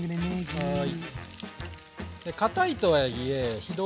はい。